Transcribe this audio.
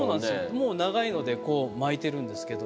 もう長いのでこう巻いてるんですけど。